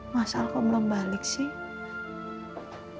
mas alko belum balik sih